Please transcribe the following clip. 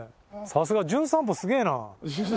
さすが『じゅん散歩』すげーな。